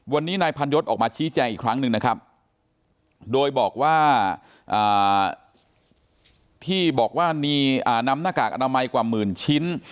วันนี้นายพันยศออกมาชี้แจงอีกครั้งหนึ่งนะครับโดยบอกว่าที่บอกว่ามีนำหน้ากากอนามัยกว่าหมื่นชิ้น